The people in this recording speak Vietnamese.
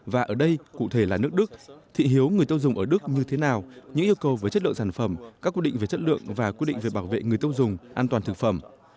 và ở đây cụ thể là nước đức thị hiếu người tiêu dùng ở đức như thế nào những yêu cầu về chất lượng sản phẩm các quy định về chất lượng và quy định về bảo vệ người tiêu dùng an toàn thực phẩm